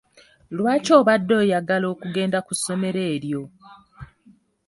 Lwaki obadde oyagala kugenda ku ssomero eryo?